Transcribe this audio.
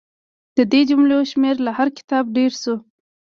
د دې جملو شمېر له هر کتاب ډېر شو.